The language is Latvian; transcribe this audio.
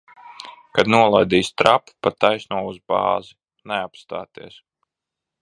Kad nolaidīs trapu, pa taisno uz bāzi. Neapstāties!